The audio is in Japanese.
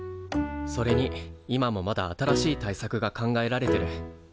それに今もまだ新しい対策が考えられてる。